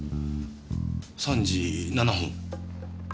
３時７分。